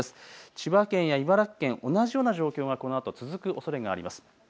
千葉県や茨城県、同じような状況がこのあと続くおそれがあります。